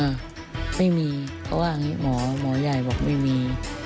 เออไม่มีเขาว่าอย่างงี้หมอย่ายบอกไม่มี